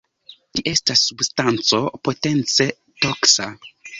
Ĝi estas substanco potence toksa.